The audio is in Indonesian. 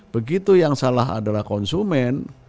begitu yang salah adalah konsumen